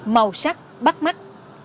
màu sắc bắt mắt